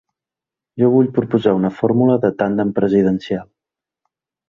Jo vull proposar una fórmula de tàndem presidencial.